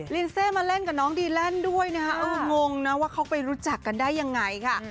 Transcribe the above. ลินเซมาเล่นกับน้องดีแลนด์ด้วยนะคะเอองงนะว่าเขาไปรู้จักกันได้ยังไงค่ะ